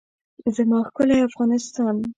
زما ښکلی افغانستان.